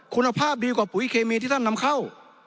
คุณภาพดีกว่าปุ๋ยเคมีที่ท่านนำเข้า